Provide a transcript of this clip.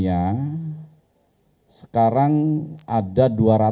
yang kedua sekarang ada dua ratus enam puluh delapan